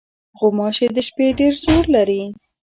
غوماشې د شپې ډېر زور لري.